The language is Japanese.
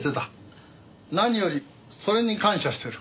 何よりそれに感謝してる。